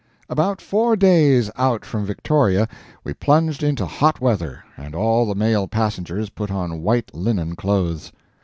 About four days out from Victoria we plunged into hot weather, and all the male passengers put on white linen clothes.